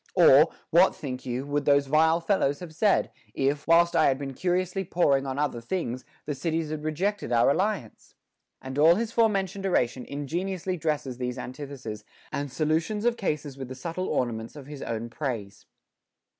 Or, What, think you, would those vile fellows have said, if, WITHOUT BEING ENVIED. 313 whilst I had been curiously poring on other things, 'he cities had rejected our alliance ?* And all his foremen tioned oration ingeniously dresses these antitheses and solu tions of cases with the subtle ornaments of his own praise.